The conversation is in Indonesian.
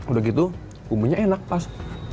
udah gitu bumbunya enak pas